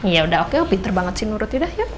yaudah oke pinter banget sih nurutnya dah yuk